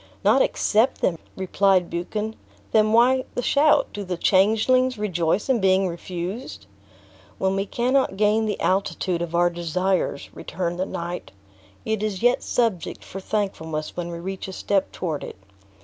"Not accept them!" replied Buchan; "then why the shout? Do the changelings rejoice in being refused?" "When we cannot gain the altitude of our desires," returned the knight, "it is yet subject for thankfulness when we reach a step toward it.